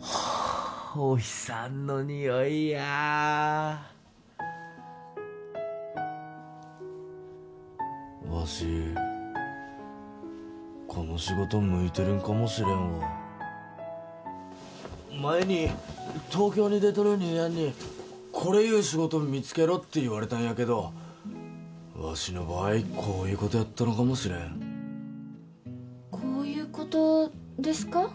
あお日さんの匂いやわしこの仕事向いてるんかもしれんわ前に東京に出とる兄やんにコレいう仕事見つけろって言われたんやけどわしの場合こういうことやったのかもしれんこういうことですか？